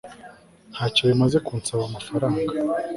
Ntacyo bimaze kunsaba amafaranga